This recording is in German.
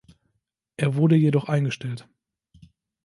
Er wurde jedoch eingestellt.